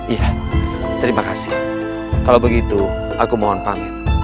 iya terima kasih kalau begitu aku mohon pamit